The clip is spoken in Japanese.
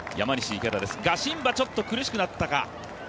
ガシンバちょっと苦しくなったか。